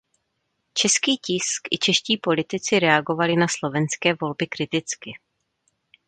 Český tisk i čeští politici reagovali na slovenské volby kriticky.